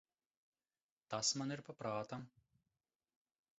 Tas man ir pa prātam.